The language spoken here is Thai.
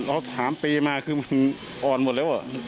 ถ้าถามเปรย์มาคือมันอ่อนหมดแล้วว่ะ